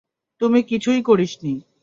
তুমি কিছুই করিসনি।